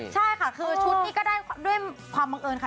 ใช่ค่ะคือชุดนี้ก็ได้ด้วยความบังเอิญค่ะ